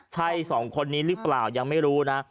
ใช่สองคนนี้หรือเปล่ายังไม่รู้นะ